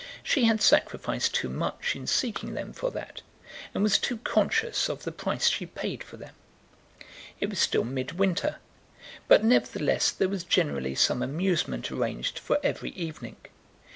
She had sacrificed too much in seeking them for that, and was too conscious of the price she paid for them. It was still mid winter, but nevertheless there was generally some amusement arranged for every evening. Mrs.